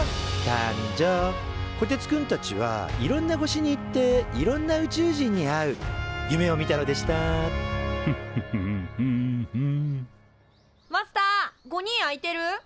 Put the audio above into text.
こてつくんたちはいろんな星に行っていろんな宇宙人に会う夢を見たのでしたマスター５人空いてる？